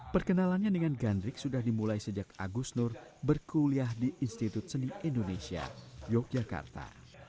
perkenalannya dengan gandrik sudah dimulai sejak agus nur berkuliah di institut seni indonesia yogyakarta